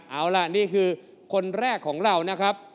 เอาล่ะนี่คือคนแรกของเรานะครับ